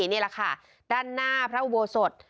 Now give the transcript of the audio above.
นี่แหละค่ะด้านหน้าพระอุโบสถ